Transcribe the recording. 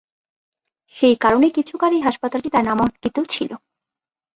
সেই কারণে কিছুকাল এই হাসপাতালটি তার নামাঙ্কিত ছিল।